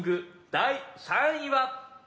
第３位は］